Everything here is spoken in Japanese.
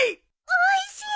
おいしい！